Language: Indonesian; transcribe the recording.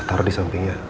taro disamping ya